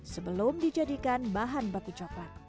sebelum dijadikan bahan baku coklat